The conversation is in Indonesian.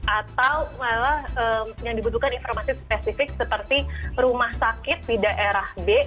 atau malah yang dibutuhkan informasi spesifik seperti rumah sakit di daerah b